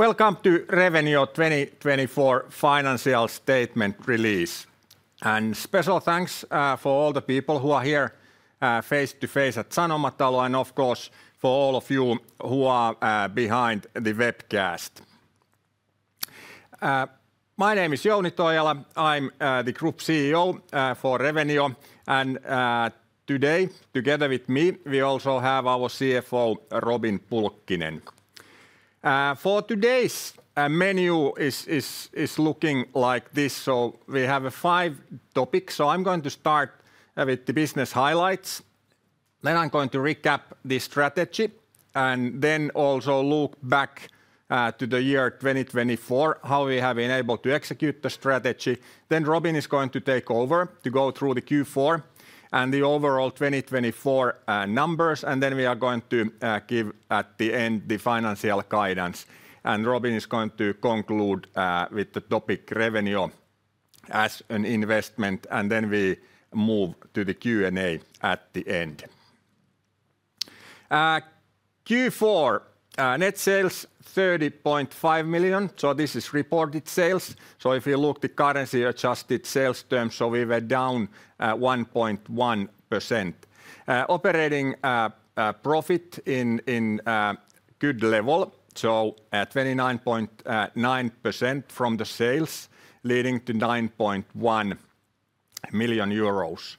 Welcome to Revenio 2024 financial statement release and special thanks for all the people who are here face to face at Sanomatalo and, of course, for all of you who are behind the webcast. My name is Jouni Toijala. I'm the Group CEO for Revenio, and today, together with me, we also have our CFO, Robin Pulkkinen. For today's menu is looking like this, so we have five topics, so I'm going to start with the business highlights, then I'm going to recap the strategy and then also look back to the year 2024, how we have been able to execute the strategy, then Robin is going to take over to go through the Q4 and the overall 2024 numbers, and then we are going to give at the end the financial guidance, and Robin is going to conclude with the topic Revenio as an investment. Then we move to the Q&A at the end. Q4 net sales 30.5 million. So this is reported sales. So if you look at the currency-adjusted sales terms, so we were down 1.1%. Operating profit in good level. So at 29.9% from the sales, leading to 9.1 million euros.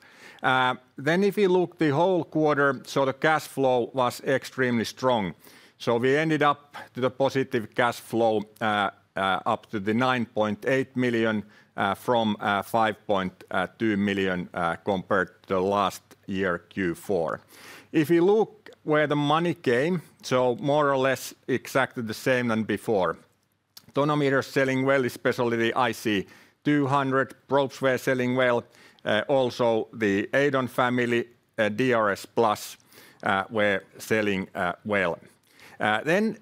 Then if you look at the whole quarter, so the cash flow was extremely strong. So we ended up with a positive cash flow up to 9.8 million from 5.2 million compared to the last year Q4. If you look where the money came, so more or less exactly the same than before. Tonometers selling well, especially the IC200. Probes were selling well. Also the Eidon family, DRSplus were selling well. Then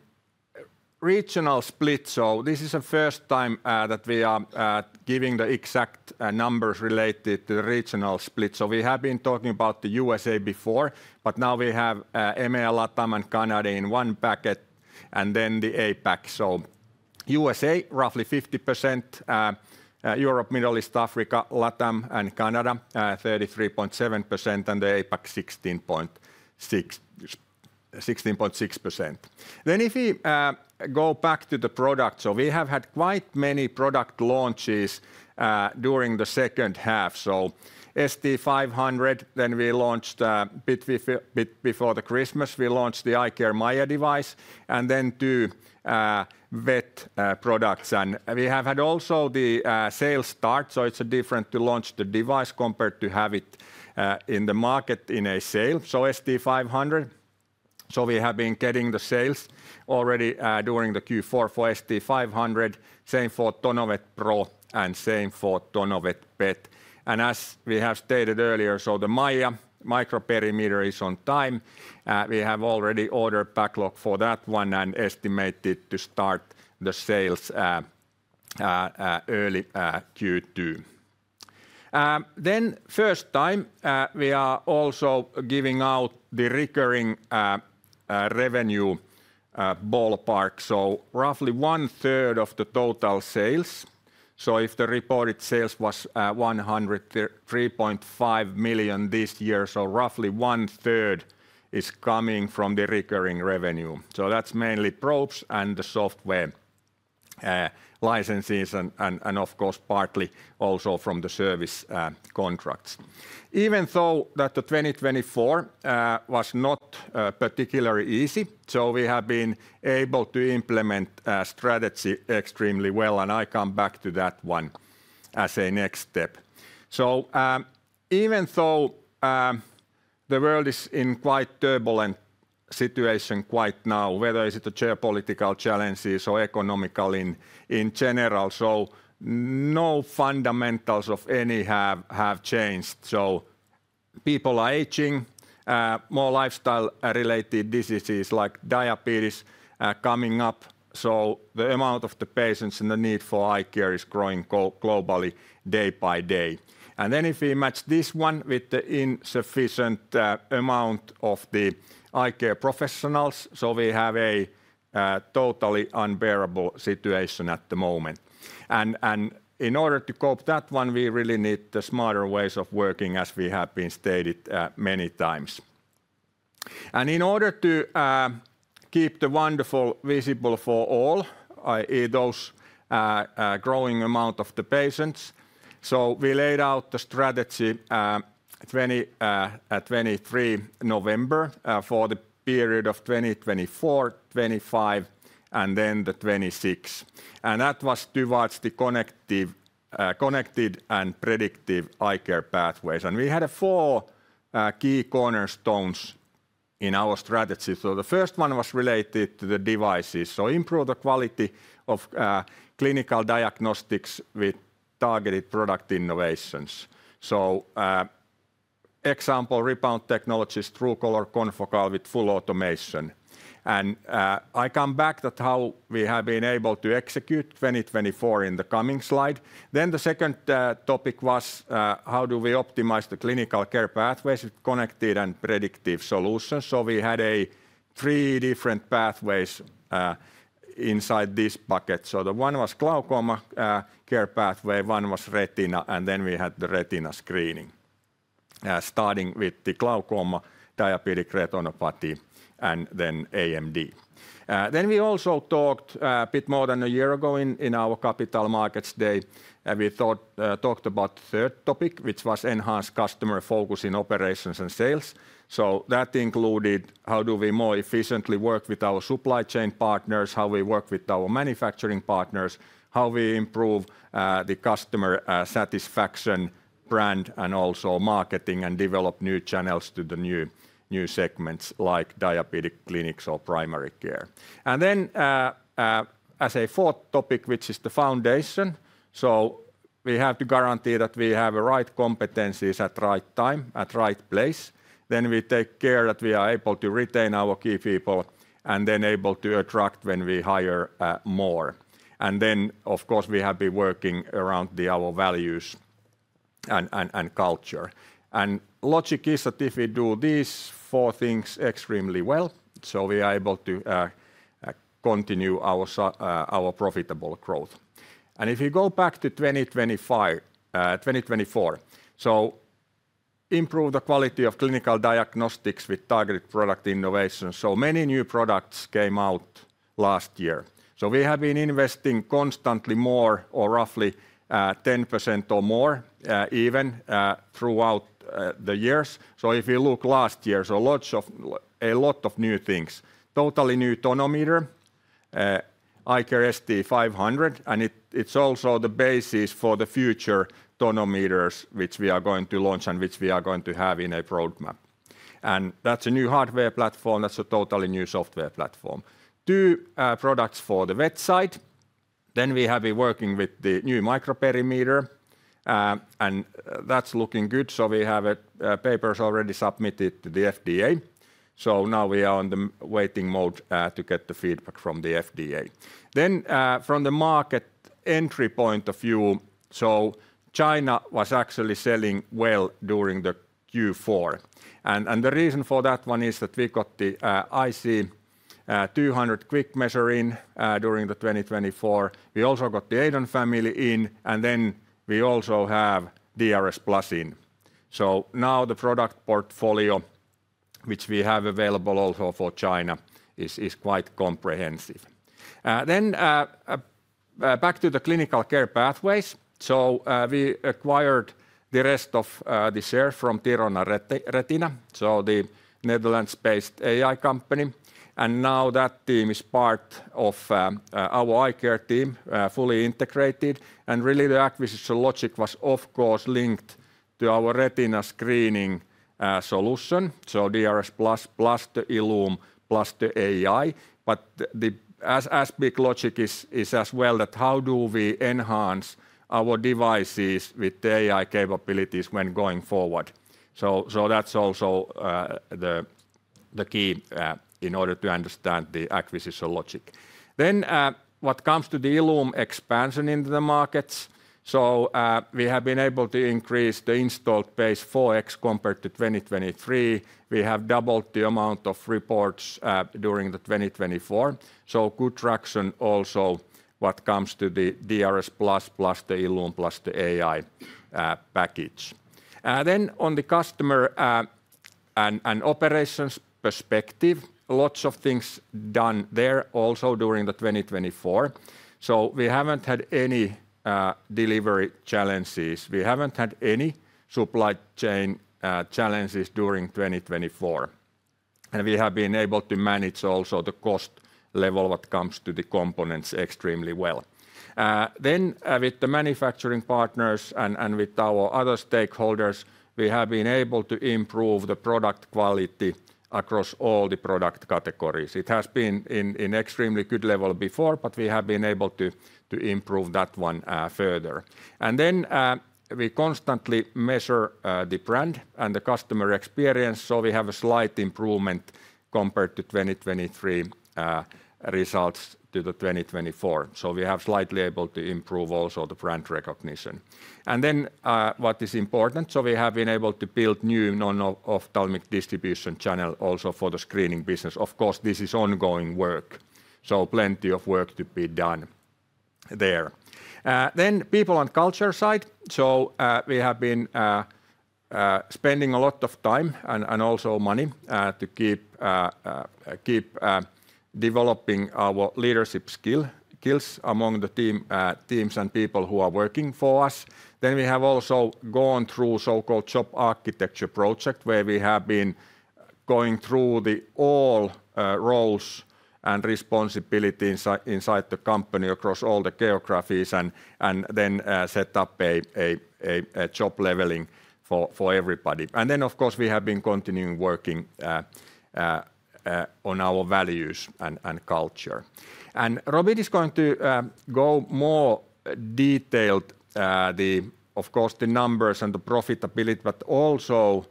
regional split. So this is the first time that we are giving the exact numbers related to the regional split. We have been talking about the USA before, but now we have EMEA, LATAM, and Canada in one packet, and then the APAC. USA roughly 50%, Europe, Middle East, Africa, LATAM and Canada 33.7%, and the APAC 16.6%. If we go back to the product, we have had quite many product launches during the second half. ST500, then we launched a bit before Christmas the iCare MAIA device and then two vet products. We have had also the sales start. It's different to launch the device compared to have it in the market in a sale. ST500. We have been getting the sales already during the Q4 for ST500. Same for TonoVet Pro and same for TonoVet Pet. As we have stated earlier, the MAIA microperimeter is on time. We have already ordered backlog for that one and estimated to start the sales early Q2. Then first time we are also giving out the recurring revenue ballpark. So roughly one third of the total sales. So if the reported sales was 103.5 million this year, so roughly one third is coming from the recurring revenue. So that's mainly probes and the software licenses and of course partly also from the service contracts. Even though 2024 was not particularly easy, so we have been able to implement a strategy extremely well, and I come back to that one as a next step. Even though the world is in quite a turbulent situation quite now, whether it's the geopolitical challenges or economic in general, so no fundamentals of any have changed. So people are aging, more lifestyle-related diseases like diabetes coming up. So the amount of the patients and the need for eye care is growing globally day by day. And then if we match this one with the insufficient amount of the eye care professionals, so we have a totally unbearable situation at the moment. And in order to cope with that one, we really need smarter ways of working as we have been stated many times. And in order to keep the world visible for all, i.e. those growing amount of the patients, so we laid out the strategy at 23 November for the period of 2024, 2025, and then the 2026. And that was towards the connected and predictive eye care pathways. And we had four key cornerstones in our strategy. So the first one was related to the devices. So improve the quality of clinical diagnostics with targeted product innovations. So, example rebound technologies, TrueColor confocal with full automation. And I come back to how we have been able to execute 2024 in the coming slide. Then the second topic was how do we optimize the clinical care pathways with connected and predictive solutions. So we had three different pathways inside this bucket. So the one was glaucoma care pathway, one was retina, and then we had the retina screening starting with the glaucoma, diabetic retinopathy, and then AMD. Then we also talked a bit more than a year ago in our Capital Markets Day. We talked about the third topic, which was enhanced customer focus in operations and sales. That included how do we more efficiently work with our supply chain partners, how we work with our manufacturing partners, how we improve the customer satisfaction, brand and also marketing and develop new channels to the new segments like diabetic clinics or primary care. And then as a fourth topic, which is the foundation, so we have to guarantee that we have the right competencies at the right time, at the right place. Then we take care that we are able to retain our key people and then able to attract when we hire more. And then, of course, we have been working around our values and culture. And logic is that if we do these four things extremely well, so we are able to continue our profitable growth. And if you go back to 2024, so improve the quality of clinical diagnostics with targeted product innovations. Many new products came out last year. We have been investing constantly more or roughly 10% or more even throughout the years. If you look last year, a lot of new things. Totally new tonometer, iCare ST500, and it's also the basis for the future tonometers which we are going to launch and which we are going to have in a roadmap. That's a new hardware platform. That's a totally new software platform. Two products for the website. We have been working with the new microperimeter. That's looking good. We have papers already submitted to the FDA. Now we are in the waiting mode to get the feedback from the FDA. From the market entry point of view, China was actually selling well during the Q4. The reason for that one is that we got the IC200 QuickMeasure in during 2024. We also got the Eidon family in, and then we also have DRSplus in. So now the product portfolio, which we have available also for China, is quite comprehensive. Then back to the clinical care pathways. We acquired the rest of the share from Thirona Retina, so the Netherlands-based AI company. And now that team is part of our eye care team, fully integrated. And really the acquisition logic was, of course, linked to our retina screening solution. So DRSplus plus the ILLUME plus the AI. But the aspect logic is as well that how do we enhance our devices with the AI capabilities when going forward. So that's also the key in order to understand the acquisition logic. Then what comes to the ILLUME expansion in the markets. So we have been able to increase the installed base 4x compared to 2023. We have doubled the amount of reports during 2024. So good traction also what comes to the DRSplus plus the ILLUME plus the AI package. Then on the customer and operations perspective, lots of things done there also during 2024. So we haven't had any delivery challenges. We haven't had any supply chain challenges during 2024. And we have been able to manage also the cost level what comes to the components extremely well. Then with the manufacturing partners and with our other stakeholders, we have been able to improve the product quality across all the product categories. It has been in extremely good level before, but we have been able to improve that one further. And then we constantly measure the brand and the customer experience. We have a slight improvement compared to 2023 results to 2024. So we have slightly able to improve also the brand recognition. And then what is important, so we have been able to build new non-ophthalmic distribution channel also for the screening business. Of course, this is ongoing work. So plenty of work to be done there. Then people and culture side. So we have been spending a lot of time and also money to keep developing our leadership skills among the teams and people who are working for us. Then we have also gone through so-called job architecture project where we have been going through all roles and responsibilities inside the company across all the geographies and then set up a job leveling for everybody. And then, of course, we have been continuing working on our values and culture. And Robin is going to go more detailed, of course, the numbers and the profitability, but also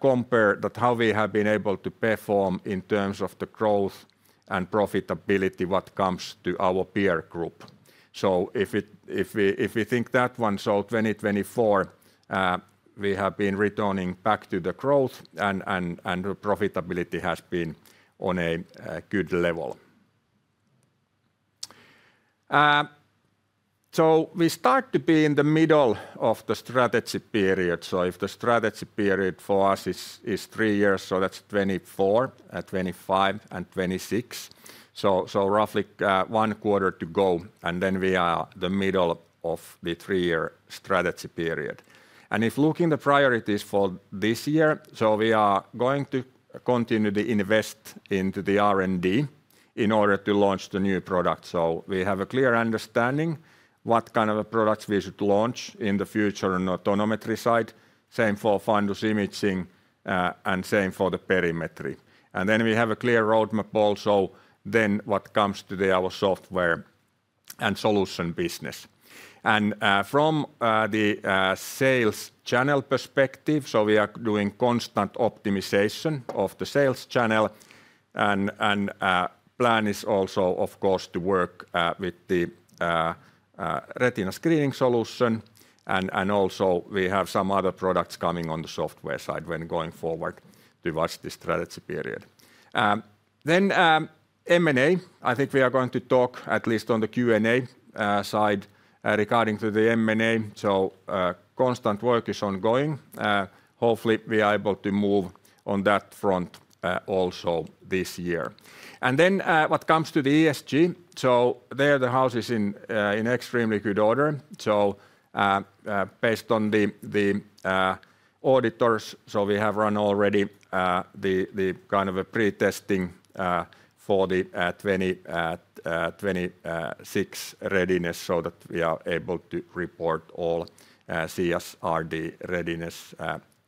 compare how we have been able to perform in terms of the growth and profitability what comes to our peer group. So if we think that one, so 2024, we have been returning back to the growth and the profitability has been on a good level. So we start to be in the middle of the strategy period. So if the strategy period for us is three years, so that's 2024, 2025, and 2026. So roughly one quarter to go. And then we are the middle of the three-year strategy period. And if looking at the priorities for this year, so we are going to continue to invest into the R&D in order to launch the new products. So we have a clear understanding what kind of products we should launch in the future on the tonometry side. Same for fundus imaging and same for the perimetry. And then we have a clear roadmap also then what comes to our software and solution business. And from the sales channel perspective, so we are doing constant optimization of the sales channel. And the plan is also, of course, to work with the retina screening solution. And also we have some other products coming on the software side when going forward towards the strategy period. Then M&A. I think we are going to talk at least on the Q&A side regarding the M&A. So constant work is ongoing. Hopefully, we are able to move on that front also this year. And then what comes to the ESG, so there the house is in extremely good order. Based on the auditors, we have run already the kind of a pre-testing for the 2026 readiness so that we are able to report all CSRD readiness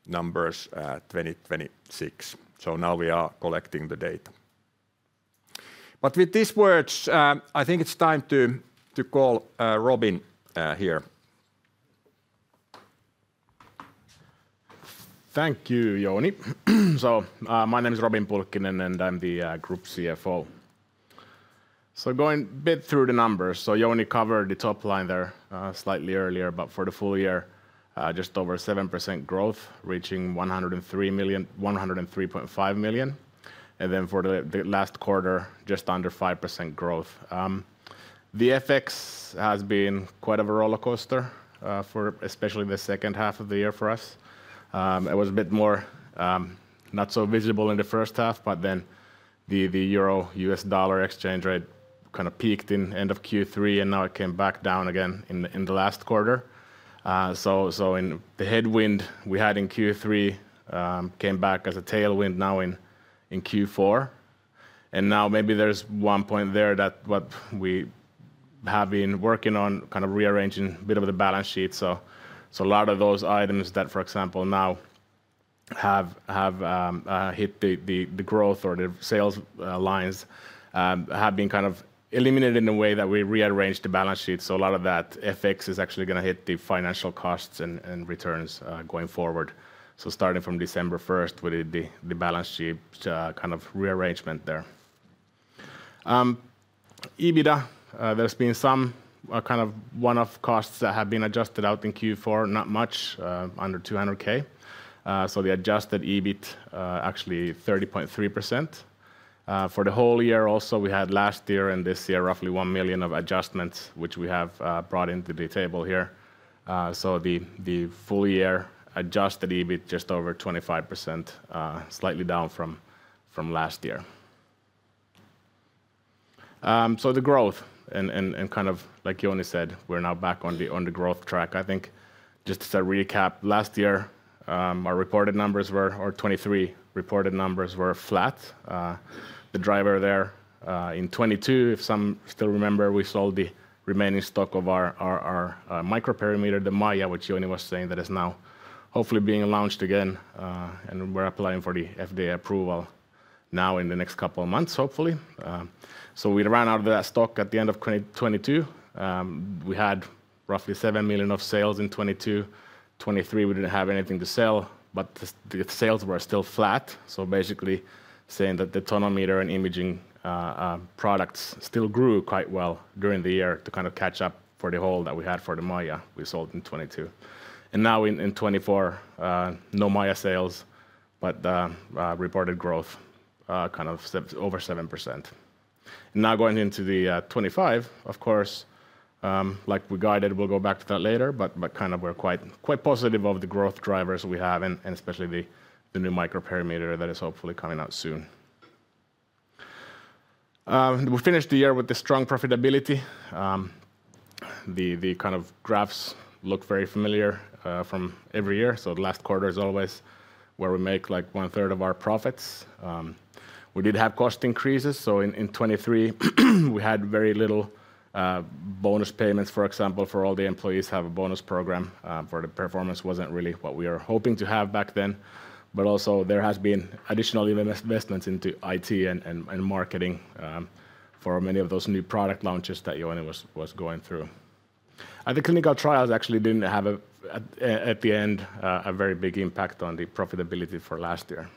numbers 2026. Now we are collecting the data. But with these words, I think it's time to call Robin here. Thank you, Jouni. My name is Robin Pulkkinen and I'm the Group CFO. Going a bit through the numbers. Jouni covered the top line there slightly earlier, but for the full year, just over 7% growth, reaching 103.5 million. And then for the last quarter, just under 5% growth. The FX has been quite a rollercoaster, especially the second half of the year for us. It was a bit more not so visible in the first half, but then the euro U.S. dollar exchange rate kind of peaked in the end of Q3 and now it came back down again in the last quarter, so the headwind we had in Q3 came back as a tailwind now in Q4, and now maybe there's one point there that what we have been working on kind of rearranging a bit of the balance sheet, so a lot of those items that, for example, now have hit the growth or the sales lines have been kind of eliminated in a way that we rearranged the balance sheet, so a lot of that FX is actually going to hit the financial costs and returns going forward, so starting from December 1st with the balance sheet kind of rearrangement there. EBITDA, there's been some kind of one-off costs that have been adjusted out in Q4, not much, under 200K. So the adjusted EBIT actually 30.3%. For the whole year also, we had last year and this year roughly 1 million of adjustments, which we have brought into the table here. So the full year adjusted EBIT just over 25%, slightly down from last year. So the growth and kind of like Jouni said, we're now back on the growth track. I think just to recap, last year our reported numbers were. Our 2023 reported numbers were flat. The driver there in 2022, if some still remember, we sold the remaining stock of our microperimeter, the MAIA, which Jouni was saying that is now hopefully being launched again. And we're applying for the FDA approval now in the next couple of months, hopefully. We ran out of that stock at the end of 2022. We had roughly 7 million of sales in 2022. In 2023, we didn't have anything to sell, but the sales were still flat. So basically saying that the tonometer and imaging products still grew quite well during the year to kind of catch up for the hole that we had for the MAIA we sold in 2022. And now in 2024, no MAIA sales, but reported growth kind of over 7%. Now going into 2025, of course, like we guided, we'll go back to that later, but kind of we're quite positive of the growth drivers we have and especially the new microperimeter that is hopefully coming out soon. We finished the year with the strong profitability. The kind of graphs look very familiar from every year. So the last quarter is always where we make like one third of our profits. We did have cost increases. So in 2023, we had very little bonus payments, for example, for all the employees have a bonus program for the performance wasn't really what we were hoping to have back then. But also there has been additional investments into IT and marketing for many of those new product launches that Jouni was going through. And the clinical trials actually didn't have at the end a very big impact on the profitability for last year.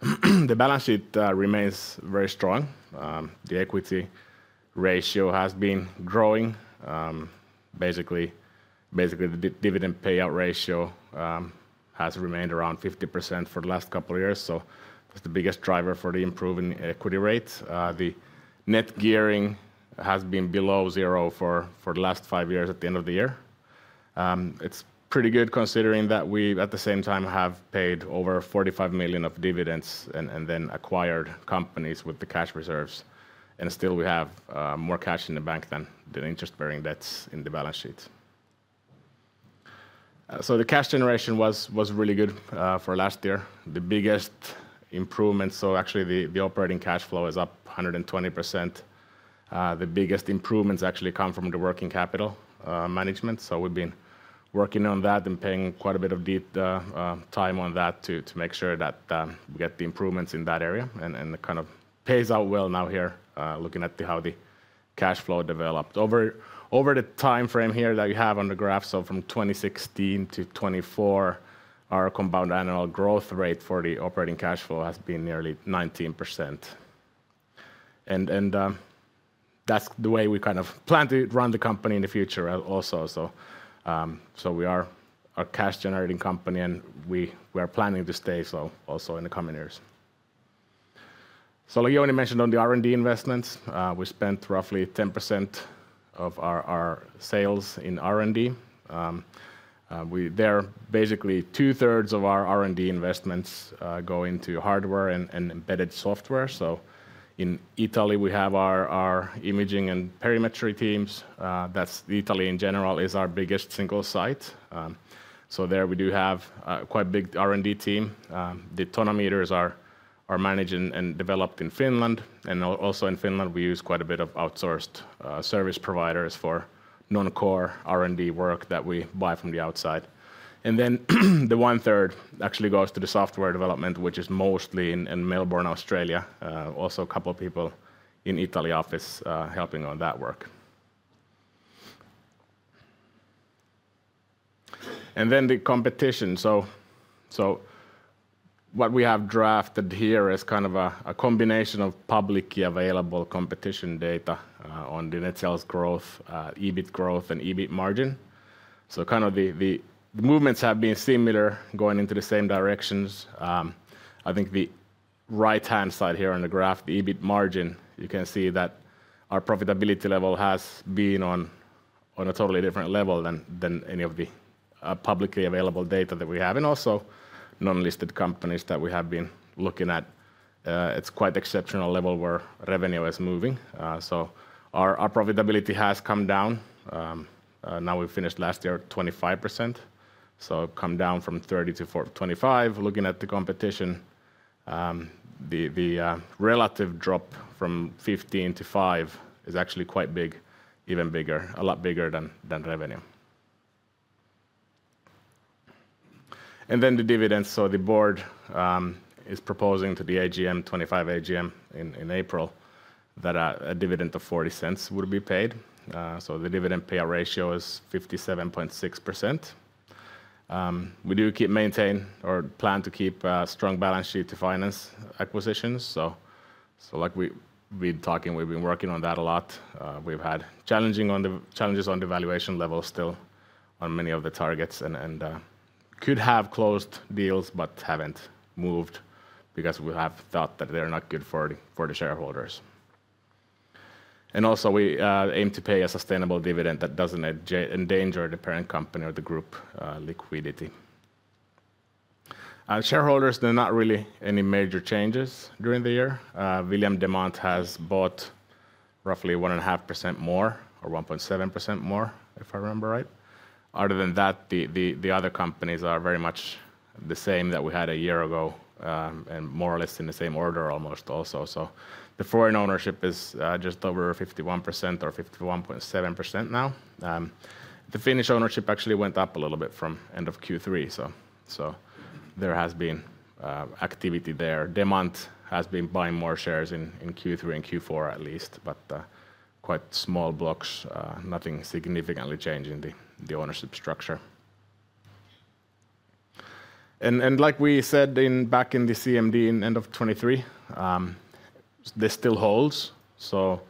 The balance sheet remains very strong. The equity ratio has been growing. Basically, the dividend payout ratio has remained around 50% for the last couple of years. So it's the biggest driver for the improving equity rate. The net gearing has been below zero for the last five years at the end of the year. It's pretty good considering that we at the same time have paid over 45 million of dividends and then acquired companies with the cash reserves, and still we have more cash in the bank than interest-bearing debts in the balance sheet, so the cash generation was really good for last year. The biggest improvement, so actually the operating cash flow is up 120%. The biggest improvements actually come from the working capital management, so we've been working on that and paying quite a bit of deep time on that to make sure that we get the improvements in that area, and it kind of pays out well now here looking at how the cash flow developed. Over the timeframe here that we have on the graph, so from 2016 to 2024, our compound annual growth rate for the operating cash flow has been nearly 19%. And that's the way we kind of plan to run the company in the future also. So we are a cash-generating company and we are planning to stay so also in the coming years. So like Jouni mentioned on the R&D investments, we spent roughly 10% of our sales in R&D. There are basically two-thirds of our R&D investments going to hardware and embedded software. So in Italy, we have our imaging and perimetry teams. That's Italy in general is our biggest single site. So there we do have a quite big R&D team. The tonometers are managed and developed in Finland. And also in Finland, we use quite a bit of outsourced service providers for non-core R&D work that we buy from the outside. And then the one-third actually goes to the software development, which is mostly in Melbourne, Australia. Also, a couple of people in Italy office helping on that work, and then the competition, so what we have drafted here is kind of a combination of publicly available competition data on the net sales growth, EBIT growth, and EBIT margin, so kind of the movements have been similar going into the same directions. I think the right-hand side here on the graph, the EBIT margin, you can see that our profitability level has been on a totally different level than any of the publicly available data that we have, and also non-listed companies that we have been looking at; it's quite exceptional level where revenue is moving, so our profitability has come down. Now we finished last year 25%. So come down from 30% to 25% looking at the competition. The relative drop from 15% to 5% is actually quite big, even bigger, a lot bigger than revenue. Then the dividends. The board is proposing to the 2025 AGM in April that a dividend of 0.40 would be paid. The dividend payout ratio is 57.6%. We do maintain or plan to keep a strong balance sheet to finance acquisitions. Like we've been talking, we've been working on that a lot. We've had challenges on the valuation level still on many of the targets and could have closed deals but haven't moved because we have thought that they're not good for the shareholders. We also aim to pay a sustainable dividend that doesn't endanger the parent company or the group liquidity. Shareholders, there are not really any major changes during the year. William Demant has bought roughly 1.5% more or 1.7% more if I remember right. Other than that, the other companies are very much the same that we had a year ago and more or less in the same order almost also. So the foreign ownership is just over 51% or 51.7% now. The Finnish ownership actually went up a little bit from end of Q3. So there has been activity there. Demant has been buying more shares in Q3 and Q4 at least, but quite small blocks, nothing significantly changing the ownership structure. And like we said back in the CMD in end of 2023, this still holds. So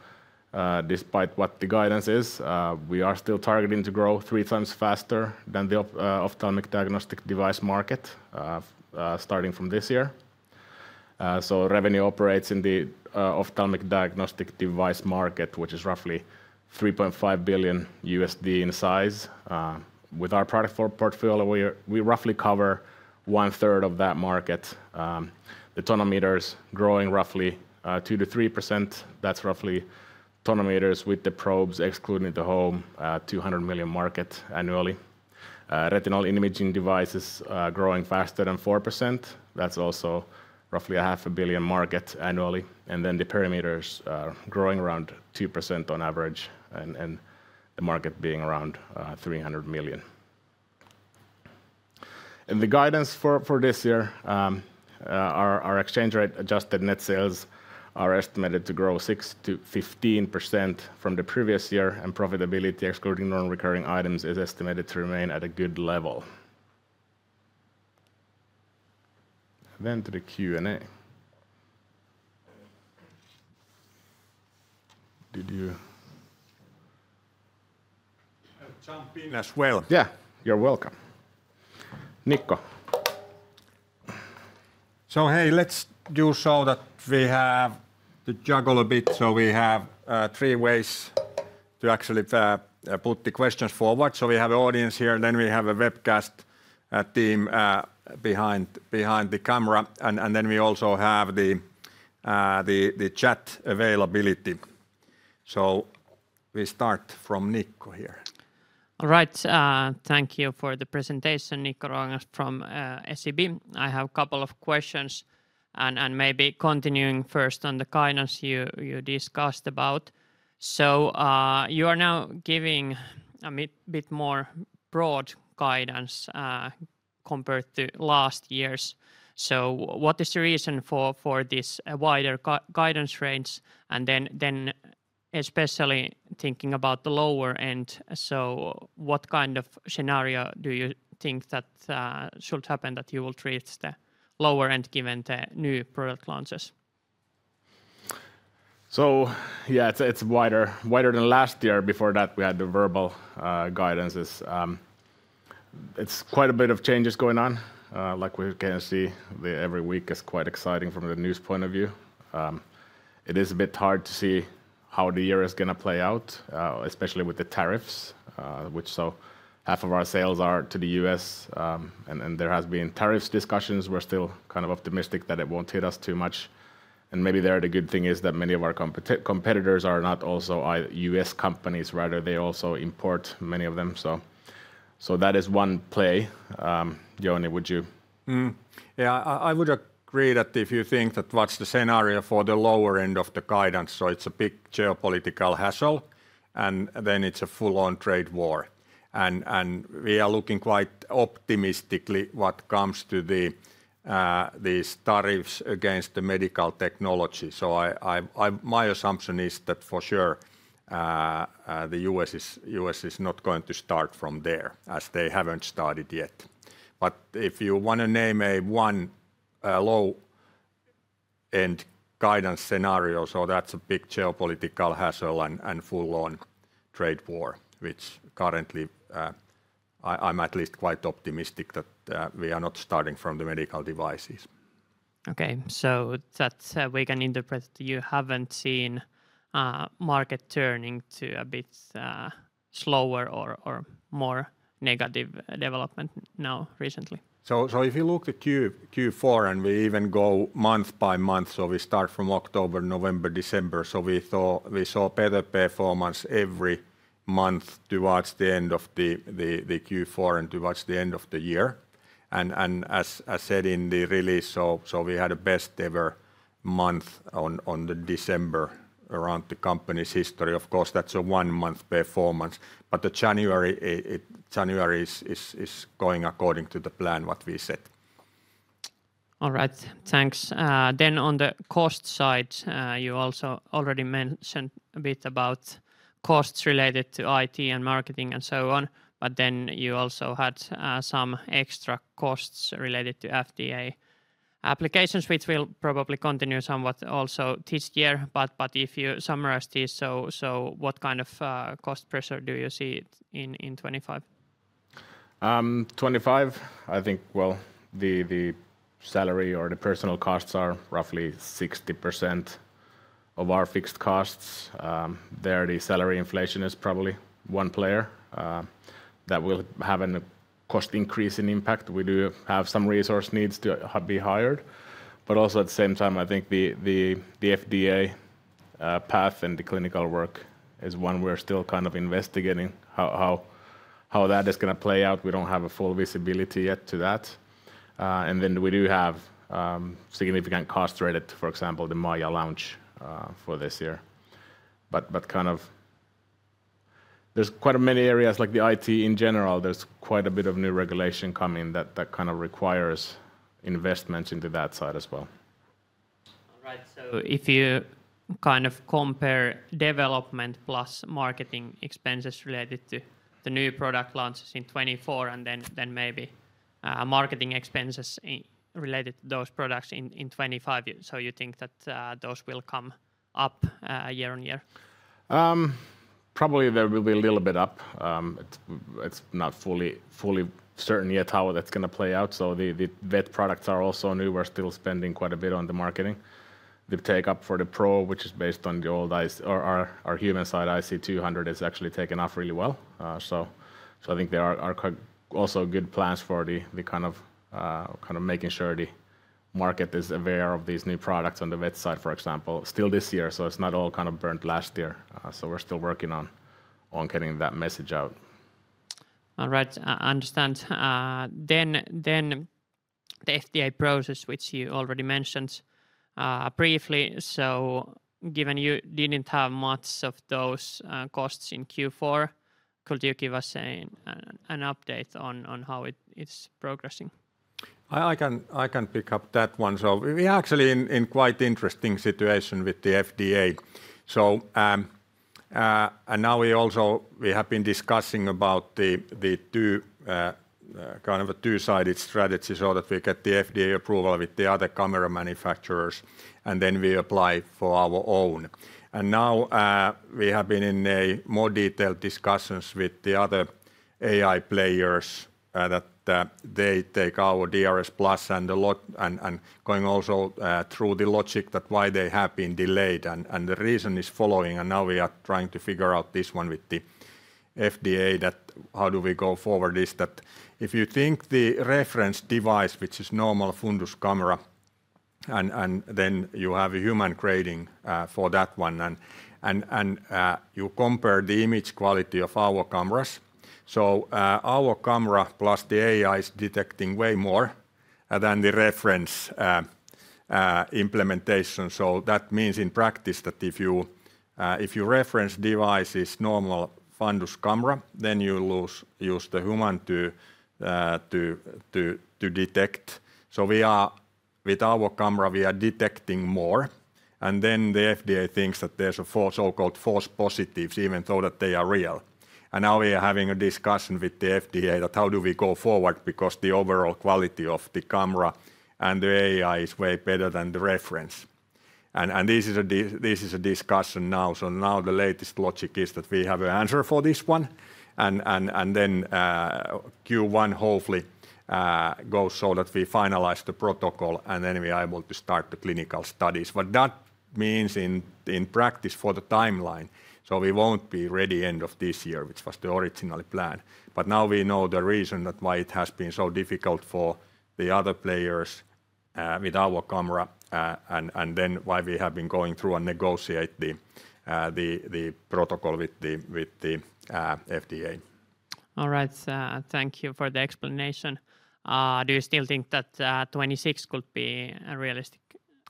despite what the guidance is, we are still targeting to grow three times faster than the ophthalmic diagnostic device market starting from this year. So Revenio operates in the ophthalmic diagnostic device market, which is roughly $3.5 billion in size. With our product portfolio, we roughly cover one third of that market. The tonometers growing roughly 2%-3%. That's roughly tonometers with the probes excluding the home 200 million market annually. Retinal imaging devices growing faster than 4%. That's also roughly 500 million market annually. And then the perimeters growing around 2% on average and the market being around 300 million. And the guidance for this year, our exchange rate adjusted net sales are estimated to grow 6%-15% from the previous year. And profitability excluding non-recurring items is estimated to remain at a good level. Then to the Q&A. Did you? As well. Yeah, you're welcome. Nikko. So hey, let's do so that we have to juggle a bit. So we have three ways to actually put the questions forward. So we have an audience here and then we have a webcast team behind the camera. And then we also have the chat availability. So we start from Nikko here. All right. Thank you for the presentation, Nikko Ruokangas from SEB. I have a couple of questions and maybe continuing first on the guidance you discussed about. So you are now giving a bit more broad guidance compared to last year's. So what is the reason for this wider guidance range? And then especially thinking about the lower end, so what kind of scenario do you think that should happen that you will treat the lower end given the new product launches? So yeah, it's wider than last year. Before that, we had the verbal guidances. It's quite a bit of changes going on. Like we can see, every week is quite exciting from the news point of view. It is a bit hard to see how the year is going to play out, especially with the tariffs, which, so half of our sales are to the U.S. And there has been tariffs discussions. We're still kind of optimistic that it won't hit us too much. And maybe there the good thing is that many of our competitors are not also U.S. companies. Rather, they also import many of them. So that is one play. Jouni, would you? Yeah, I would agree that if you think that what's the scenario for the lower end of the guidance, so it's a big geopolitical hassle and then it's a full-on trade war. And we are looking quite optimistically what comes to these tariffs against the medical technology. So my assumption is that for sure the U.S. is not going to start from there as they haven't started yet. But if you want to name a one low-end guidance scenario, so that's a big geopolitical hassle and full-on trade war, which currently I'm at least quite optimistic that we are not starting from the medical devices. Okay, so that's how we can interpret you haven't seen market turning to a bit slower or more negative development now recently. So if you look at Q4 and we even go month by month, so we start from October, November, December. So we saw better performance every month towards the end of the Q4 and towards the end of the year. And as said in the release, so we had a best ever month on the December around the company's history. Of course, that's a one-month performance. But the January is going according to the plan what we said. All right, thanks. Then on the cost side, you also already mentioned a bit about costs related to IT and marketing and so on. But then you also had some extra costs related to FDA applications, which will probably continue somewhat also this year. But if you summarize these, so what kind of cost pressure do you see in 2025? 2025, I think. Well, the salary or the personnel costs are roughly 60% of our fixed costs. There the salary inflation is probably one player that will have a cost increase in impact. We do have some resource needs to be hired. But also at the same time, I think the FDA path and the clinical work is one we're still kind of investigating how that is going to play out. We don't have a full visibility yet to that. We do have significant costs related to, for example, the MAIA launch for this year. But kind of there's quite a many areas like the IT in general. There's quite a bit of new regulation coming that kind of requires investments into that side as well. All right, so if you kind of compare development plus marketing expenses related to the new product launches in 2024 and then maybe marketing expenses related to those products in 2025, so you think that those will come up year on year? Probably there will be a little bit up. It's not fully certain yet how that's going to play out. So the vet products are also new. We're still spending quite a bit on the marketing. The take-up for the Pro, which is based on the old IC, our human side IC200 has actually taken off really well. So, I think there are also good plans for the kind of making sure the market is aware of these new products on the vet side, for example, still this year. So, it's not all kind of burned last year. So, we're still working on getting that message out. All right, I understand. Then the FDA process, which you already mentioned briefly. So, given you didn't have much of those costs in Q4, could you give us an update on how it's progressing? I can pick up that one. So, we are actually in quite an interesting situation with the FDA. And now we also have been discussing about the kind of a two-sided strategy so that we get the FDA approval with the other camera manufacturers and then we apply for our own. And now we have been in more detailed discussions with the other AI players that they take our DRSplus and going also through the logic that why they have been delayed. And the reason is following. And now we are trying to figure out this one with the FDA that how do we go forward is that if you think the reference device, which is normal fundus camera, and then you have a human grading for that one and you compare the image quality of our cameras. So our camera plus the AI is detecting way more than the reference implementation. So that means in practice that if you reference devices, normal fundus camera, then you use the human to detect. So with our camera, we are detecting more. And then the FDA thinks that there's a so-called false positives, even though that they are real. Now we are having a discussion with the FDA that how do we go forward because the overall quality of the camera and the AI is way better than the reference. This is a discussion now. Now the latest logic is that we have an answer for this one. Then Q1 hopefully goes so that we finalize the protocol and then we are able to start the clinical studies. That means in practice for the timeline. We won't be ready end of this year, which was the original plan. Now we know the reason that why it has been so difficult for the other players with our camera and then why we have been going through and negotiate the protocol with the FDA. All right, thank you for the explanation. Do you still think that 26 could be a realistic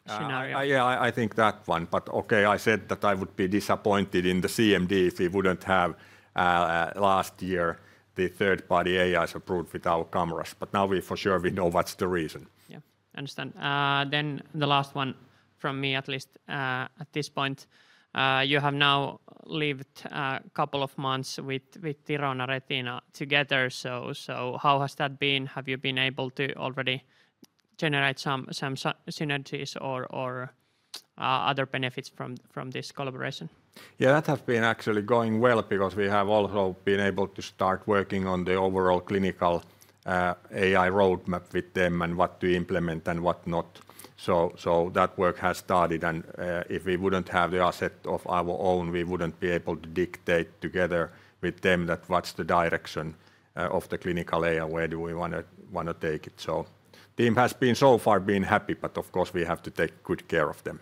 scenario? Yeah, I think that one. But okay, I said that I would be disappointed in the CMD if we wouldn't have last year the third-party AIs approved with our cameras. But now we for sure know what's the reason. Yeah, understand. Then the last one from me at least at this point. You have now lived a couple of months with Thirona Retina together. So how has that been? Have you been able to already generate some synergies or other benefits from this collaboration? Yeah, that has been actually going well because we have also been able to start working on the overall clinical AI roadmap with them and what to implement and what not. So that work has started. And if we wouldn't have the asset of our own, we wouldn't be able to dictate together with them that what's the direction of the clinical AI, where do we want to take it. So the team has so far been happy, but of course we have to take good care of them.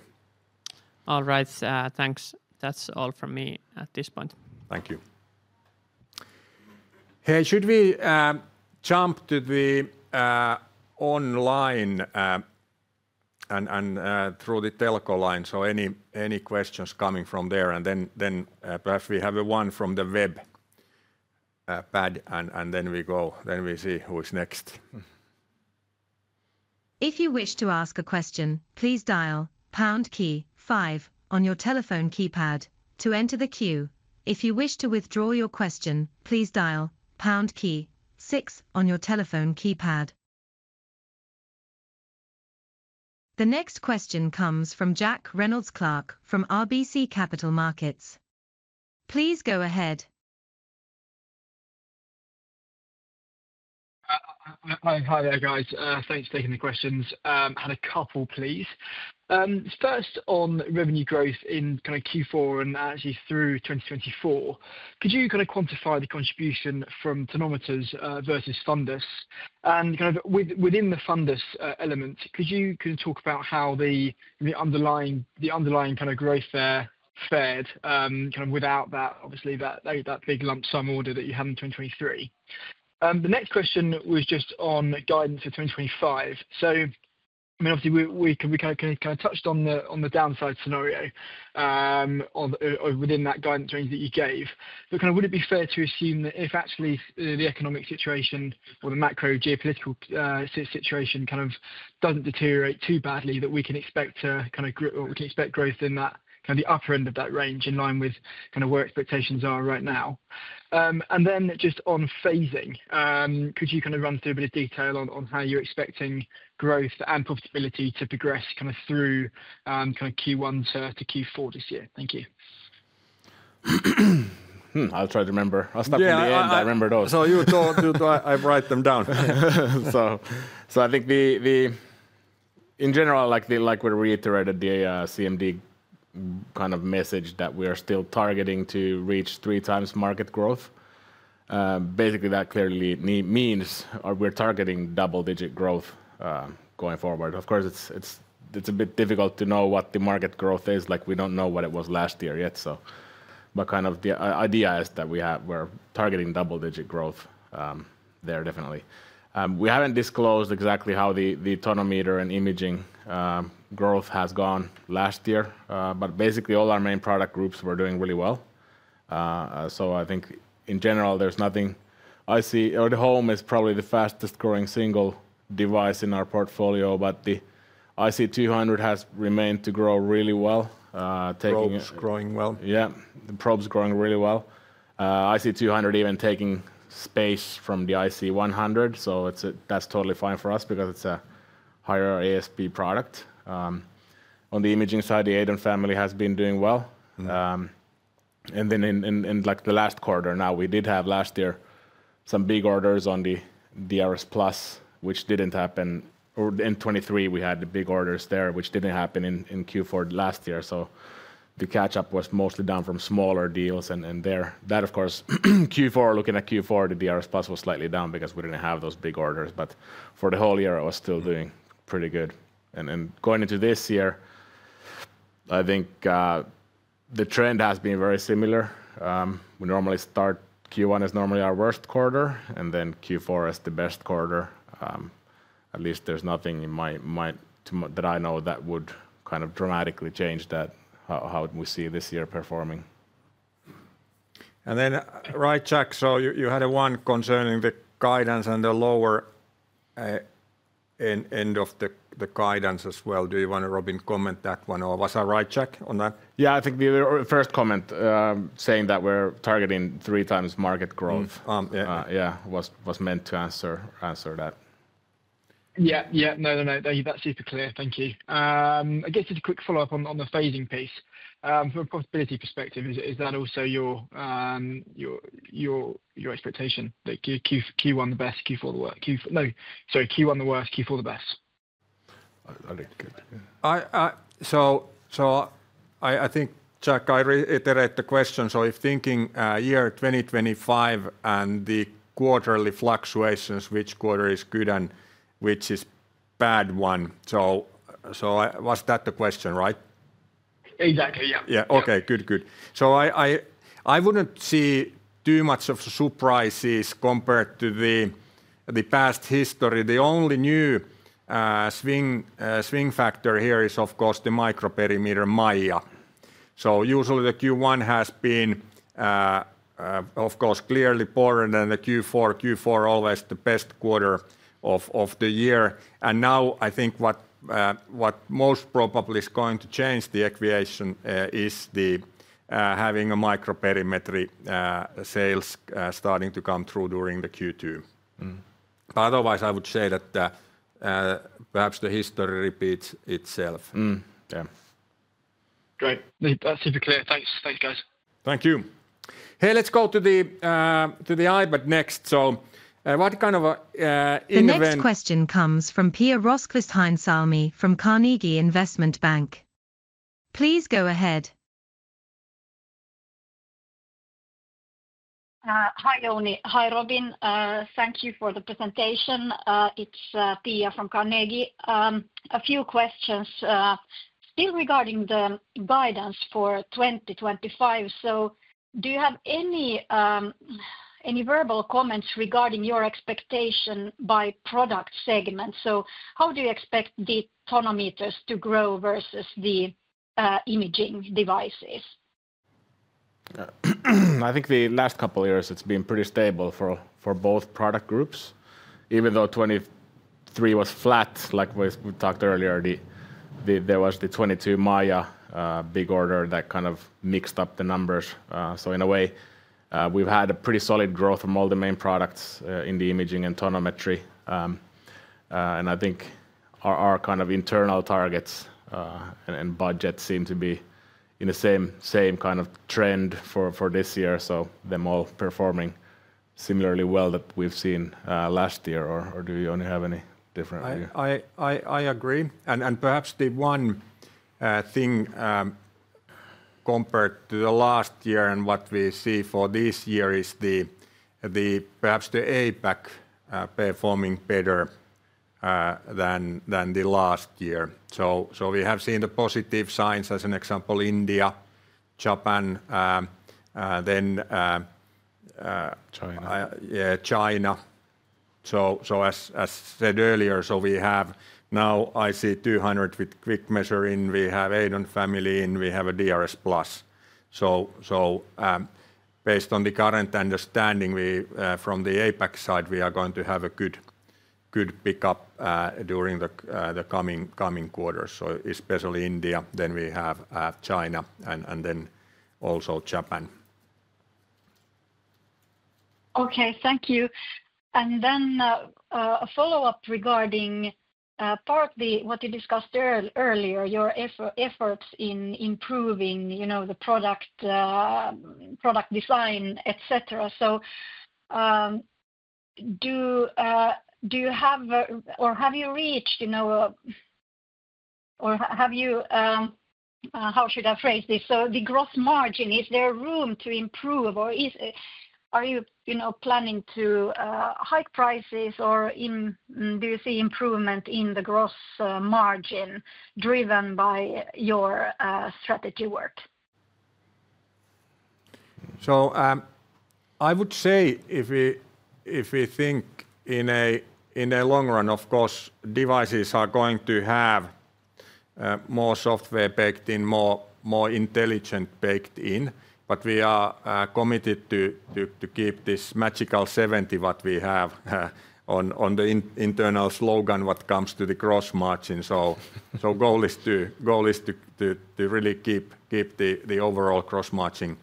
All right, thanks. That's all from me at this point. Thank you. Hey, should we jump to the online and through the Telco line? So any questions coming from there? And then perhaps we have one from the web pad and then we go, then we see who is next. If you wish to ask a question, please dial pound key five on your telephone keypad to enter the queue. If you wish to withdraw your question, please dial pound key six on your telephone keypad. The next question comes from Jack Reynolds-Clark from RBC Capital Markets. Please go ahead. Hi, guys. Thanks for taking the questions. I had a couple, please. First on revenue growth in kind of Q4 and actually through 2024. Could you kind of quantify the contribution from Tonometers versus Fundus? And kind of within the Fundus element, could you talk about how the underlying kind of growth there fared kind of without that, obviously, that big lump sum order that you had in 2023? The next question was just on guidance for 2025. So I mean, obviously, we kind of touched on the downside scenario within that guidance range that you gave. But kind of, would it be fair to assume that if actually the economic situation or the macro geopolitical situation kind of doesn't deteriorate too badly, that we can expect to kind of growth in that kind of the upper end of that range in line with kind of where expectations are right now? And then just on phasing, could you kind of run through a bit of detail on how you're expecting growth and profitability to progress kind of through kind of Q1 to Q4 this year? Thank you. I'll try to remember. I'll stop at the end. I remember those. So you told people I'll write them down. So I think in general, like we reiterated the CMD kind of message that we are still targeting to reach three times market growth. Basically, that clearly means we're targeting double-digit growth going forward. Of course, it's a bit difficult to know what the market growth is. Like we don't know what it was last year yet. But kind of the idea is that we're targeting double-digit growth there, definitely. We haven't disclosed exactly how the tonometer and imaging growth has gone last year. But basically, all our main product groups were doing really well. So I think in general, there's nothing I see. The Home is probably the fastest growing single device in our portfolio, but the IC200 has remained to grow really well. Probes growing well. Yeah, the probes growing really well. IC200 even taking space from the IC100. So that's totally fine for us because it's a higher ASP product. On the imaging side, the Eidon family has been doing well. And then, in like the last quarter now, we did have last year some big orders on the DRSplus, which didn't happen. Or in 2023, we had the big orders there, which didn't happen in Q4 last year. So the catch-up was mostly down from smaller deals. And there, that of course, Q4, looking at Q4, the DRSplus was slightly down because we didn't have those big orders. But for the whole year, it was still doing pretty good. And going into this year, I think the trend has been very similar. We normally start Q1 as normally our worst quarter, and then Q4 as the best quarter. At least there's nothing in my mind that I know that would kind of dramatically change that, how we see this year performing. And then right check. So you had one concerning the guidance and the lower end of the guidance as well. Do you want Robin to comment on that one or was I right to check on that? Yeah, I think the first comment saying that we're targeting three times market growth. Yeah, was meant to answer that. Yeah, yeah. No, no, no. That's super clear. Thank you. I guess just a quick follow-up on the phasing piece. From a profitability perspective, is that also your expectation that Q1 the best, Q4 the worst? No, sorry, Q1 the worst, Q4 the best? So I think Jack, I reiterate the question. So if thinking year 2025 and the quarterly fluctuations, which quarter is good and which is bad one. So was that the question, right? Exactly, yeah. Yeah, okay, good, good. So I wouldn't see too much of surprises compared to the past history. The only new swing factor here is, of course, the microperimeter MAIA. So usually the Q1 has been, of course, clearly poorer than the Q4. Q4 always the best quarter of the year. And now I think what most probably is going to change the equation is having a microperimetry sales starting to come through during the Q2. But otherwise, I would say that perhaps the history repeats itself. Great. That's super clear. Thanks, thanks guys. Thank you. Hey, let's go to the iPad next. So what kind of an event? The next question comes from Pia Rosqvist-Heinsalmi from Carnegie Investment Bank. Please go ahead. Hi Jouni, hi Robin. Thank you for the presentation. It's Pia from Carnegie. A few questions still regarding the guidance for 2025. So do you have any verbal comments regarding your expectation by product segment? So how do you expect the tonometers to grow versus the imaging devices? I think the last couple of years it's been pretty stable for both product groups. Even though 2023 was flat, like we talked earlier, there was the 2022 MAIA big order that kind of mixed up the numbers. So in a way, we've had a pretty solid growth from all the main products in the imaging and tonometry. And I think our kind of internal targets and budgets seem to be in the same kind of trend for this year. So they're all performing similarly well that we've seen last year. Or do you only have any different? I agree. And perhaps the one thing compared to the last year and what we see for this year is perhaps the APAC performing better than the last year. We have seen the positive signs as an example: India, Japan, then, China. Yeah, China. As said earlier, we have now IC200 with QuickMeasure in, we have Eidon family in, we have a DRSplus. Based on the current understanding from the APAC side, we are going to have a good pickup during the coming quarter. Especially India, then we have China and then also Japan. Okay, thank you. Then a follow-up regarding partly what you discussed earlier, your efforts in improving the product design, etc. Do you have or have you reached or have you, how should I phrase this? The gross margin, is there room to improve or are you planning to hike prices or do you see improvement in the gross margin driven by your strategy work? So I would say if we think in the long run, of course, devices are going to have more software baked in, more intelligence baked in. But we are committed to keep this magical 70% that we have as the internal slogan when it comes to the gross margin. So goal is to really keep the overall gross margin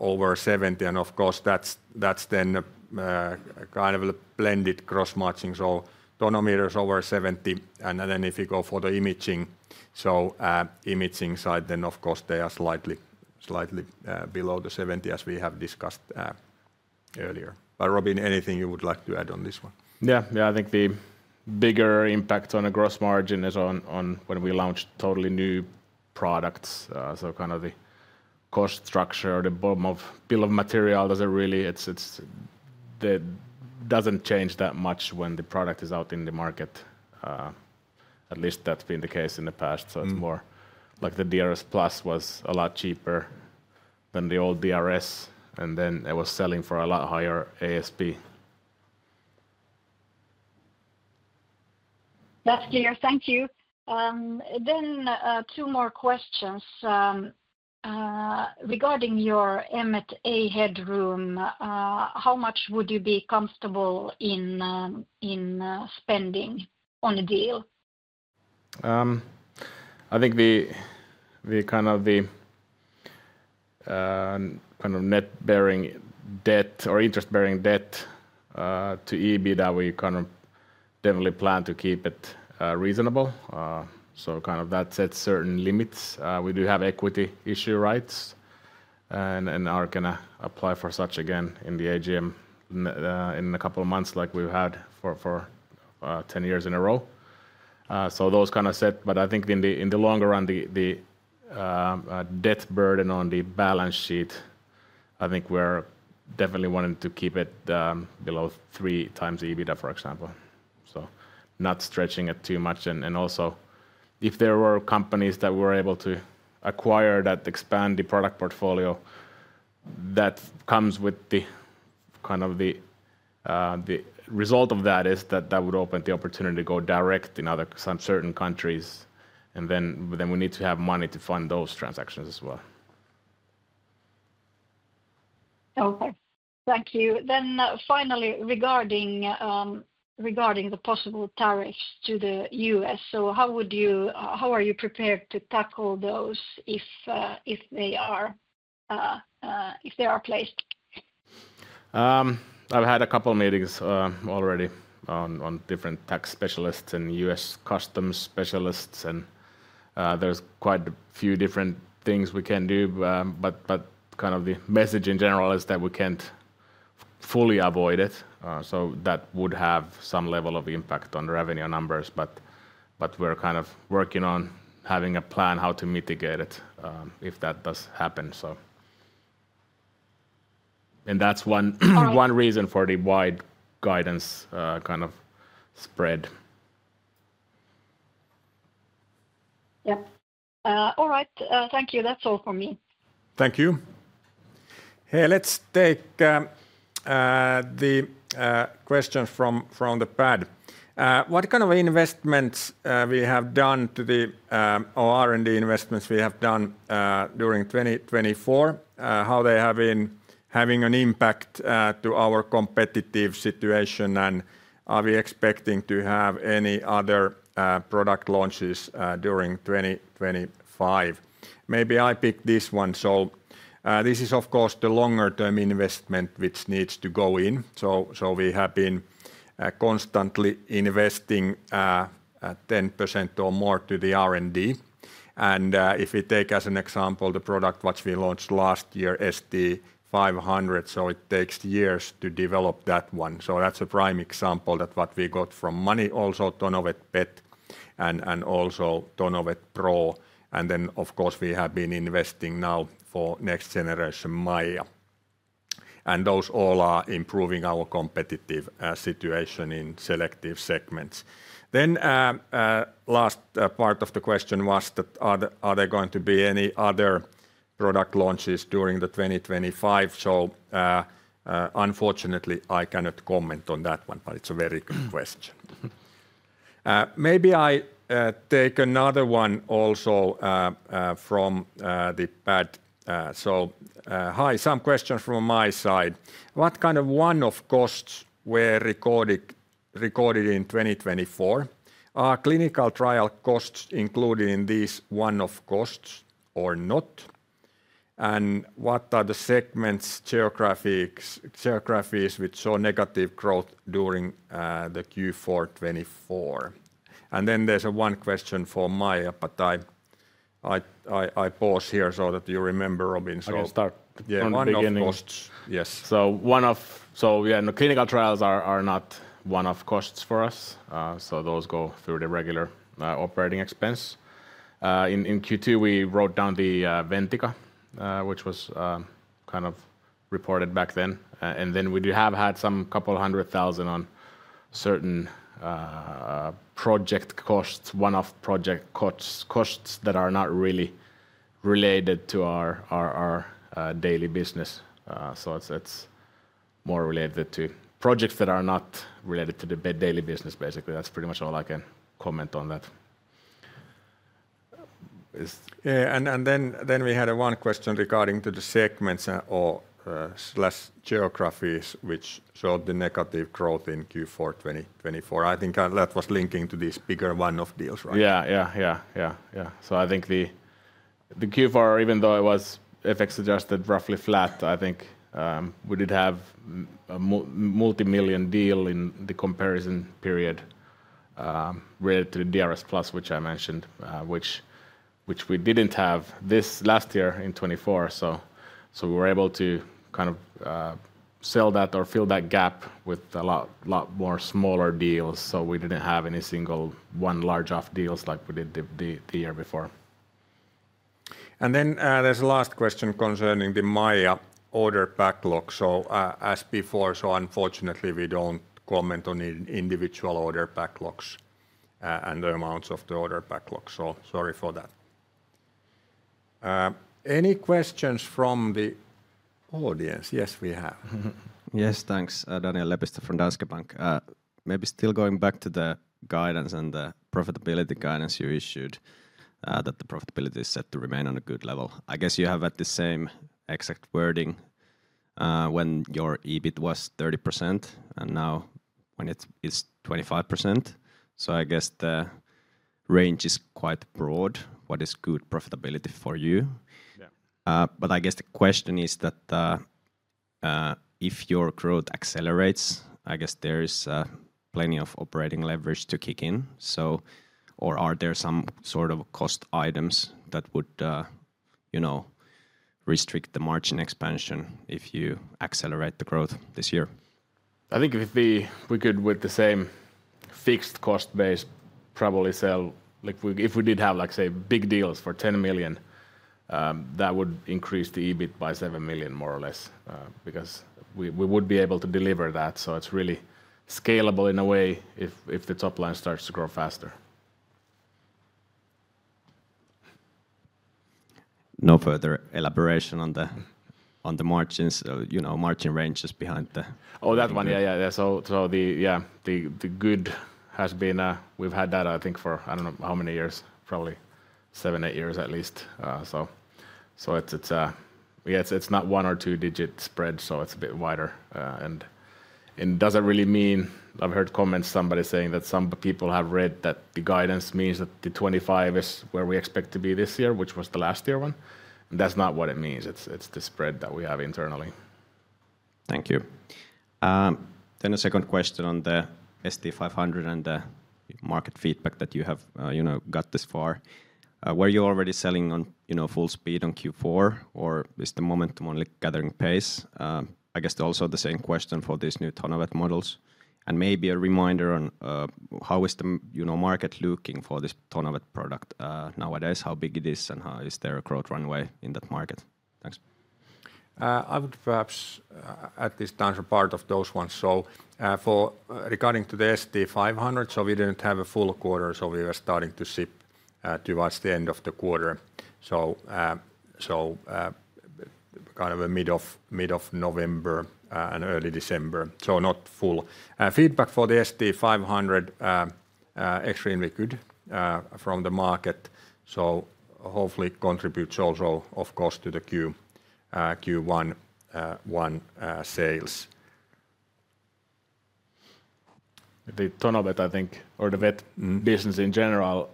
over 70%. And of course, that's then kind of a blended gross margin. So tonometers over 70% and then if you go for the imaging, so imaging side, then of course they are slightly below the 70% as we have discussed earlier. But Robin, anything you would like to add on this one? Yeah, yeah, I think the bigger impact on the gross margin is when we launch totally new products. So kind of the cost structure, the bill of material doesn't really, it doesn't change that much when the product is out in the market. At least that's been the case in the past. So it's more like the DRSplus was a lot cheaper than the old DRS and then it was selling for a lot higher ASP. That's clear. Thank you. Then two more questions. Regarding your M&A headroom, how much would you be comfortable in spending on a deal? I think the kind of net interest-bearing debt or interest-bearing debt to EBITDA that we kind of definitely plan to keep it reasonable. So kind of that sets certain limits. We do have equity issue rights and are going to apply for such again in the AGM in a couple of months like we've had for 10 years in a row. So those kind of set. But I think in the longer run, the debt burden on the balance sheet, I think we're definitely wanting to keep it below three times EBITDA, for example. So not stretching it too much. And also if there were companies that were able to acquire that, expand the product portfolio, that comes with the kind of the result of that is that that would open the opportunity to go direct in other certain countries. And then we need to have money to fund those transactions as well. Okay, thank you. Then finally, regarding the possible tariffs to the U.S., so how are you prepared to tackle those if they are placed? I've had a couple of meetings already on different tax specialists and U.S. customs specialists. And there's quite a few different things we can do. But kind of the message in general is that we can't fully avoid it. So that would have some level of impact on revenue numbers. But we're kind of working on having a plan how to mitigate it if that does happen. And that's one reason for the wide guidance kind of spread. Yep. All right. Thank you. That's all for me. Thank you. Hey, let's take the question from the pad. What kind of investments we have done to the R&D investments we have done during 2024, how they have been having an impact to our competitive situation, and are we expecting to have any other product launches during 2025? Maybe I pick this one. So this is, of course, the longer-term investment which needs to go in. So we have been constantly investing 10% or more to the R&D. And if we take as an example the product which we launched last year, ST500, so it takes years to develop that one. That's a prime example that what we got from money also TonoVet Pet and also TonoVet Pro. Then, of course, we have been investing now for next generation MAIA. And those all are improving our competitive situation in selective segments. The last part of the question was that are there going to be any other product launches during 2025. Unfortunately, I cannot comment on that one, but it's a very good question. Maybe I take another one also from the pad. Hi, some questions from my side. What kind of one-off costs were recorded in 2024? Are clinical trial costs included in these one-off costs or not? And what are the segments, geographies which saw negative growth during the Q4 2024? There's one question for MAIA, but I pause here so that you remember, Robin. I can start. One of the costs. Yes. So yeah, clinical trials are not one-off costs for us. So those go through the regular operating expense. In Q2, we wrote down the Ventica, which was kind of reported back then. And then we do have had some couple hundred thousand on certain project costs, one-off project costs that are not really related to our daily business. So it's more related to projects that are not related to the daily business, basically. That's pretty much all I can comment on that. And then we had one question regarding to the segments or geographies which showed the negative growth in Q4 2024. I think that was linking to these bigger one-off deals, right? Yeah. So I think the Q4, even though it was, FX suggested roughly flat, I think we did have a multi-million deal in the comparison period related to the DRSplus, which I mentioned, which we didn't have this last year in 24. So we were able to kind of fill that gap with a lot more smaller deals. So we didn't have any single one large one-off deals like we did the year before. And then there's a last question concerning the MAIA order backlog. So as before, so unfortunately, we don't comment on individual order backlogs and the amounts of the order backlog. So sorry for that. Any questions from the audience? Yes, we have. Yes, thanks, Daniel Lepistö from Danske Bank. Maybe still going back to the guidance and the profitability guidance you issued that the profitability is set to remain on a good level. I guess you have had the same exact wording when your EBIT was 30% and now when it's 25%. So I guess the range is quite broad. What is good profitability for you? But I guess the question is that if your growth accelerates, I guess there is plenty of operating leverage to kick in. So are there some sort of cost items that would restrict the margin expansion if you accelerate the growth this year? I think if we could with the same fixed cost base, probably sell if we did have, say, big deals for 10 million, that would increase the EBIT by 7 million more or less because we would be able to deliver that. So it's really scalable in a way if the top line starts to grow faster. No further elaboration on the margins, margin ranges behind the. Oh, that one, yeah, yeah, yeah. So yeah, the good has been, we've had that, I think, for I don't know how many years, probably seven, eight years at least. So it's not one or two digit spread, so it's a bit wider. And it doesn't really mean, I've heard comments somebody saying that some people have read that the guidance means that the 2025 is where we expect to be this year, which was the last year one. And that's not what it means. It's the spread that we have internally. Thank you. Then a second question on the ST500 and the market feedback that you have got this far. Were you already selling on full speed on Q4 or is the momentum only gathering pace? I guess also the same question for these new TonoVet models. Maybe a reminder on how the market is looking for this TonoVet product nowadays, how big it is and how is there a growth runway in that market? Thanks. I would perhaps add this tangent part of those ones. Regarding the ST500, we didn't have a full quarter, so we were starting to ship towards the end of the quarter. Kind of a mid of November and early December. Not full. Feedback for the ST500, extremely good from the market. Hopefully contributes also, of course, to the Q1 sales. The TonoVet, I think, or the Vet business in general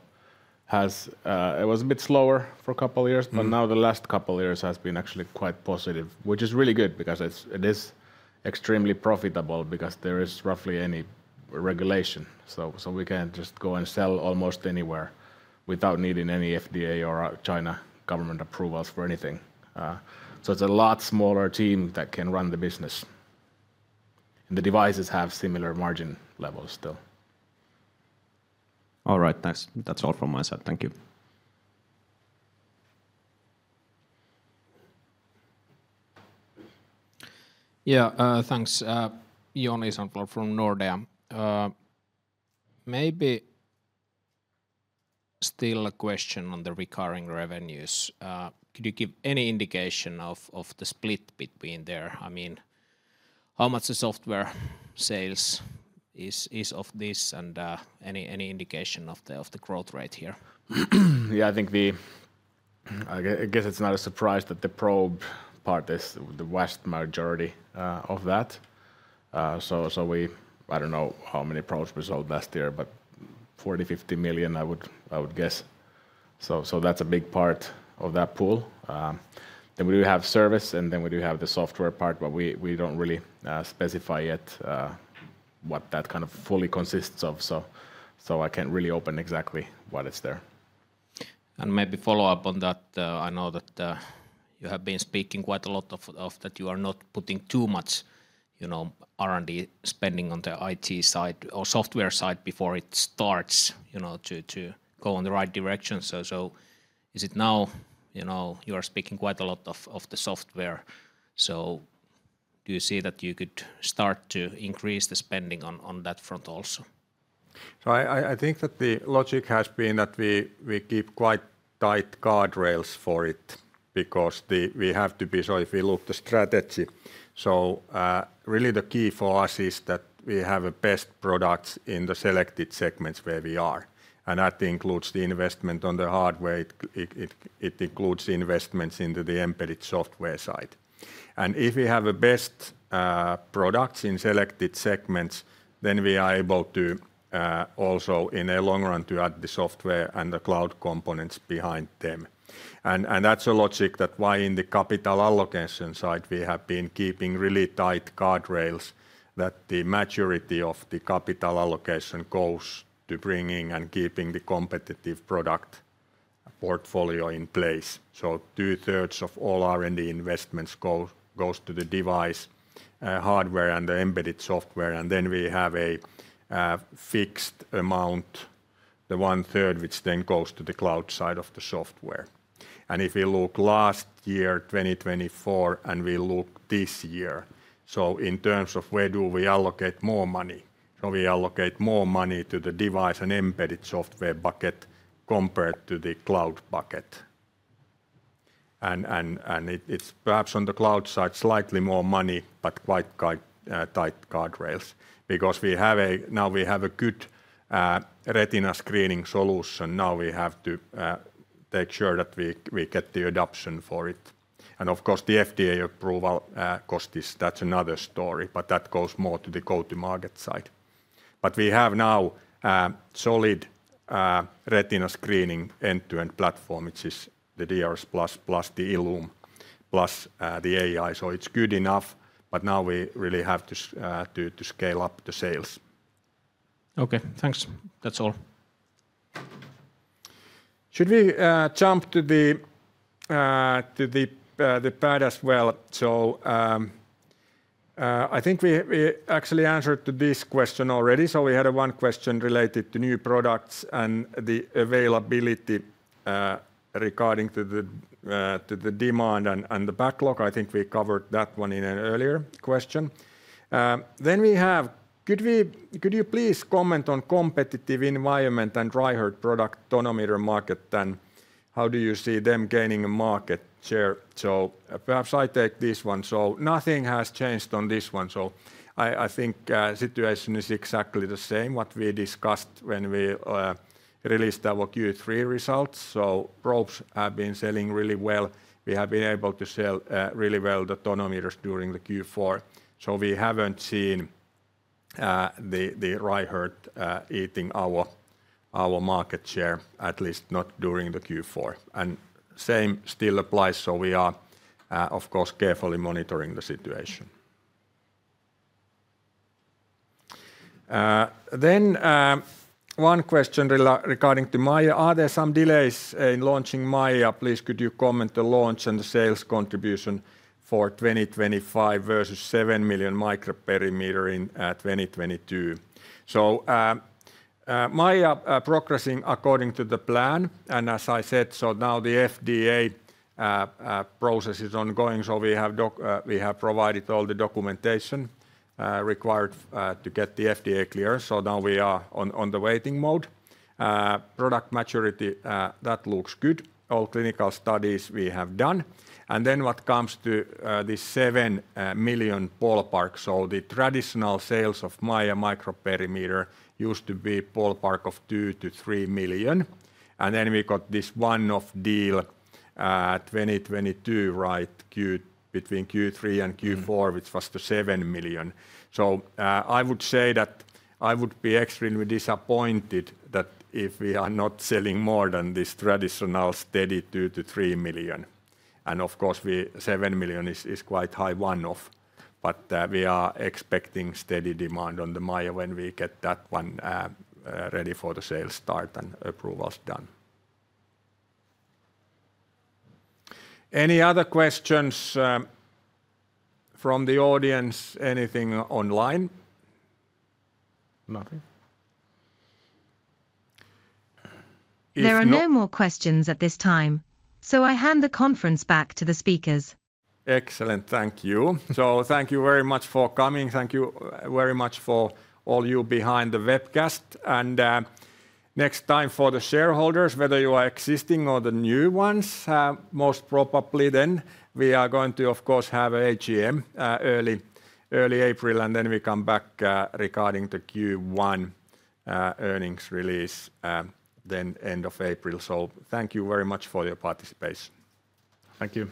has, it was a bit slower for a couple of years, but now the last couple of years has been actually quite positive, which is really good because it is extremely profitable because there is roughly any regulation. So we can just go and sell almost anywhere without needing any FDA or China government approvals for anything. So it's a lot smaller team that can run the business. And the devices have similar margin levels still. All right, thanks. That's all from my side. Thank you. Yeah, thanks. Jon Hullfors from Nordea. Maybe still a question on the recurring revenues. Could you give any indication of the split between there? I mean, how much the software sales is of this and any indication of the growth rate here? Yeah, I think the, I guess it's not a surprise that the probe part is the vast majority of that. So we, I don't know how many probes we sold last year, but 40-50 million, I would guess. So that's a big part of that pool. Then we do have service, and then we do have the software part, but we don't really specify yet what that kind of fully consists of. So I can't really open exactly what it's there. And maybe follow up on that. I know that you have been speaking quite a lot of that you are not putting too much R&D spending on the IT side or software side before it starts to go in the right direction. So is it now you are speaking quite a lot of the software? So do you see that you could start to increase the spending on that front also? So I think that the logic has been that we keep quite tight guardrails for it because we have to be, so if we look at the strategy. So really the key for us is that we have the best products in the selected segments where we are. And that includes the investment on the hardware. It includes investments into the embedded software side. And if we have the best products in selected segments, then we are able to also in the long run to add the software and the cloud components behind them. And that's a logic that why in the capital allocation side we have been keeping really tight guardrails that the maturity of the capital allocation goes to bringing and keeping the competitive product portfolio in place. So two-thirds of all R&D investments goes to the device hardware and the embedded software. And then we have a fixed amount, the one-third, which then goes to the cloud side of the software. And if we look last year, 2024, and we look this year, so in terms of where do we allocate more money, so we allocate more money to the device and embedded software bucket compared to the cloud bucket. And it's perhaps on the cloud side, slightly more money, but quite tight guardrails because now we have a good retina screening solution. Now we have to make sure that we get the adoption for it. And of course, the FDA approval cost is, that's another story, but that goes more to the go-to-market side. But we have now solid retina screening end-to-end platform, which is the DRSplus plus the ILLUME plus the AI. So it's good enough, but now we really have to scale up the sales. Okay, thanks. That's all. Should we jump to the pad as well? So I think we actually answered to this question already. So we had one question related to new products and the availability regarding to the demand and the backlog. I think we covered that one in an earlier question. Then we have, could you please comment on competitive environment and Reichert product tonometer market and how do you see them gaining a market share? So perhaps I take this one. So nothing has changed on this one. So I think the situation is exactly the same what we discussed when we released our Q3 results. So probes have been selling really well. We have been able to sell really well the tonometers during the Q4. So we haven't seen the Reichert eating our market share, at least not during the Q4. And same still applies. So we are, of course, carefully monitoring the situation. Then one question regarding to MAIA. Are there some delays in launching MAIA? Please, could you comment on the launch and the sales contribution for 2025 versus 7 million microperimeter in 2022? MAIA is progressing according to the plan. And as I said, now the FDA process is ongoing. We have provided all the documentation required to get the FDA clearance. Now we are on the waiting mode. Product maturity, that looks good. All clinical studies we have done. And then what comes to the 7 million ballpark. The traditional sales of MAIA microperimeter used to be ballpark of 2-3 million. And then we got this one-off deal in 2022, right? Between Q3 and Q4, which was the 7 million. I would say that I would be extremely disappointed that if we are not selling more than this traditional steady 2-3 million. And of course, 7 million is quite high one-off. But we are expecting steady demand on the MAIA when we get that one ready for the sales start and approvals done. Any other questions from the audience? Anything online? Nothing. There are no more questions at this time. So I hand the conference back to the speakers. Excellent. Thank you. So thank you very much for coming. Thank you very much for all you behind the webcast. And next time for the shareholders, whether you are existing or the new ones, most probably then we are going to, of course, have an AGM early April. And then we come back regarding the Q1 earnings release then end of April. So thank you very much for your participation. Thank you.